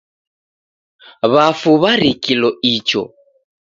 W'afu w'arikilo icho